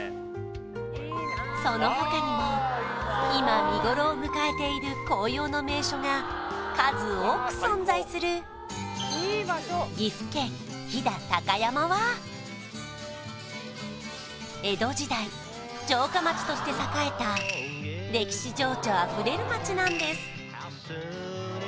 その他にも今見頃を迎えている紅葉の名所が数多く存在する江戸時代城下町として栄えた歴史情緒あふれる町なんです